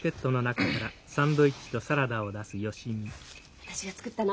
私が作ったの。